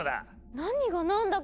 何が何だか。